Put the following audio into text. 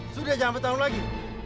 sudah jangan bertanggung lagi